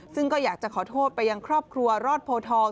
ซึ่งก็อยากจะขอโทษไปยังครอบครัวรอดโพทอง